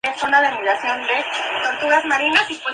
Diga un entrevistador, "no quise ser una actriz.